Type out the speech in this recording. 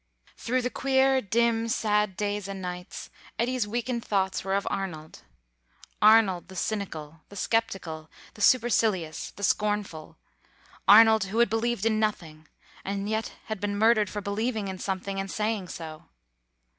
Through the queer, dim, sad days and nights, Eddy's weakened thoughts were of Arnold; Arnold the cynical, the sceptical, the supercilious, the scornful; Arnold, who had believed in nothing, and had yet been murdered for believing in something, and saying so.